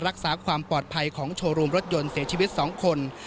รักษาความปลอดภัยของโชว์รูมรถยนต์เสียชีวิต๒คน